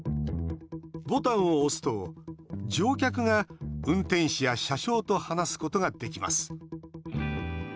ボタンを押すと乗客が運転士や車掌と話すことができます。